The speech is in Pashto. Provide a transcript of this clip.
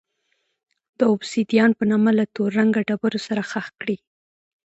د اوبسیدیان په نامه له تور رنګه ډبرو سره ښخ کړي.